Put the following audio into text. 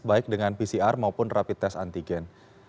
baik dengan pcr maupun rapid test antigen